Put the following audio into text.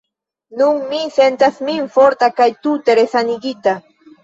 Nun mi sentas min forta kaj tute resanigita.